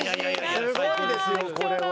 すごいですよこれは。